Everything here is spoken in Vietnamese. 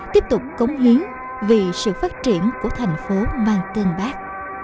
tiếp tục cống hiến vì sự phát triển của thành phố mang tên bác